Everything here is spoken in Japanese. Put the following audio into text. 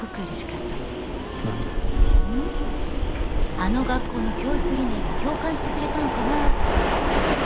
あの学校の教育理念に共感してくれたのかなって。